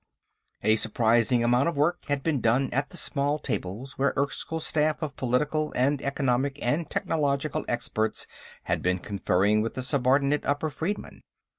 A surprising amount of work had been done at the small tables where Erskyll's staff of political and economic and technological experts had been conferring with the subordinate upper freedmen.